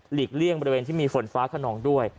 เลี่ยงบริเวณที่มีฝนฟ้าขนองด้วย